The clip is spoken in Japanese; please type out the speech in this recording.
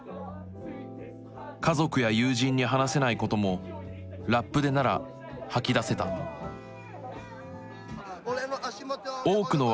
家族や友人に話せないこともラップでなら吐き出せた俺の足元！